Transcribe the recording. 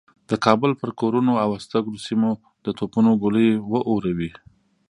د کابل پر کورونو او هستوګنو سیمو د توپونو ګولۍ و اوروي.